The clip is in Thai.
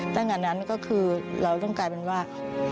ตั้งแต่นั้นก็คือเราต้องกลายเป็นว่า